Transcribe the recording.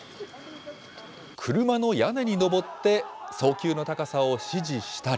車の屋根に上って、送球の高さを指示したり。